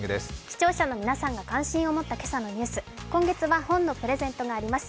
視聴者の皆さんが関心を持った今朝のニュース、今月は本のプレゼントがあります。